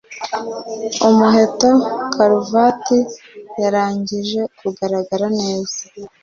umuheto-karuvati yarangije kugaragara neza